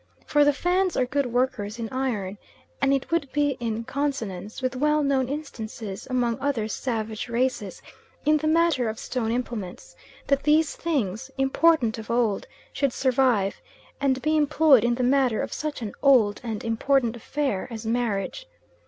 For the Fans are good workers in iron; and it would be in consonance with well known instances among other savage races in the matter of stone implements, that these things, important of old, should survive, and be employed in the matter of such an old and important affair as marriage.